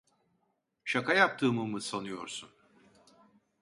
Şaka yaptığımı mı sanıyorsun?